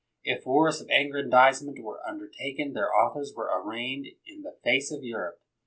If wars of aggrandizement were un dertaken, their authors were arraigned in the face of Europe.